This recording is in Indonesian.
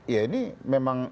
ya ini memang